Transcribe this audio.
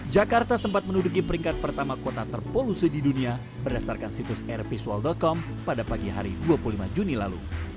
jakarta sempat menuduki peringkat pertama kota terpolusi di dunia berdasarkan situs airvisual com pada pagi hari dua puluh lima juni lalu